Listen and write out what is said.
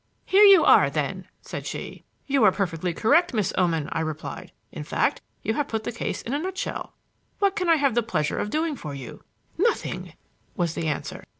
"Here you are, then?" said she. "You are perfectly correct, Miss Oman," I replied; "in fact, you have put the case in a nutshell. What can I have the pleasure of doing for you?" "Nothing," was the answer.